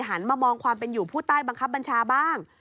หันมามองความเป็นอยู่ผู้ใต้บังคับบัญชาบ้าง